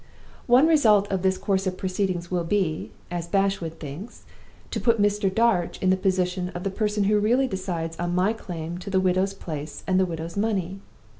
"One result of this course of proceeding will be (as Bashwood thinks) to put Mr. Darch in the position of the person who really decides on my claim to the widow's place and the widow's money.